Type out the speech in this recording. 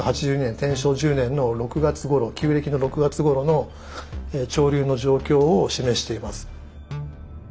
天正１０年の６月頃旧暦の６月頃の潮流の状況を示しています。